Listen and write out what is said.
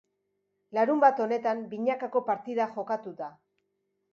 Larunbat honetan binakako partida jokatu da.